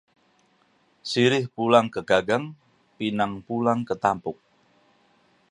Sirih pulang ke gagang, pinang pulang ke tampuk